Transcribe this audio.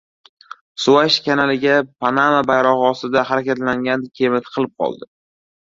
Suvaysh kanaliga Panama bayrog‘i ostida harakatlangan kema tiqilib qoldi